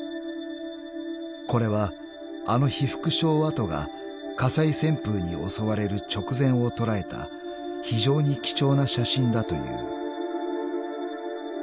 ［これはあの被服廠跡が火災旋風に襲われる直前を捉えた非常に貴重な写真だという］